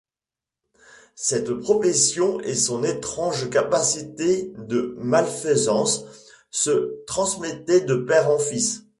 Cette profession et son étrange capacité de malfaisance se transmettaient de père en fils.